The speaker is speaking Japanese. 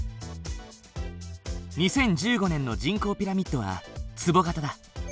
２０１５年の人口ピラミッドはつぼ型だ。